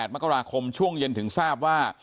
มกราคมช่วงเย็นถึงทราบว่า